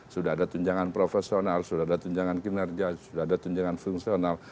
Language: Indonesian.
sudah ada tunjangan profesional sudah ada tunjangan kinerja sudah ada tunjangan fungsional